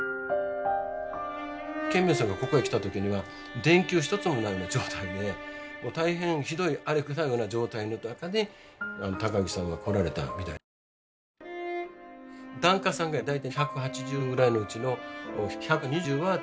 顕明さんがここへ来た時には電球一つもないような状態で大変ひどい荒れてたような状態の中で高木さんは来られたみたいですけどね。